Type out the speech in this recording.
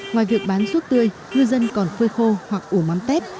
ngoài việc bán ruốc tươi ngư dân còn khơi khô hoặc ủ mắm tép